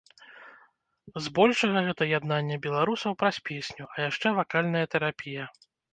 Збольшага гэта яднанне беларусаў праз песню, а яшчэ вакальная тэрапія.